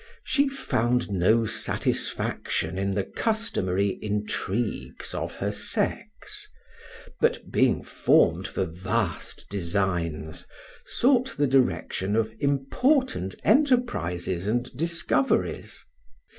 She found no satisfaction in the customary intrigues of her sex, but, being formed for vast designs, sought the direction of important enterprises and discoveries.